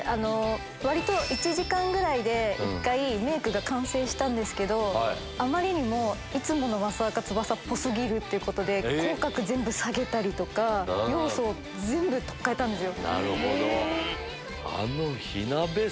割と１時間ぐらいでメイクが完成したんですけどあまりにもいつもの益若つばさっぽ過ぎるんで口角全部下げたりとか要素を全部取っ換えたんですよ。